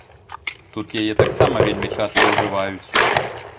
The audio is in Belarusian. Тут яе таксама вельмі часта ўжываюць.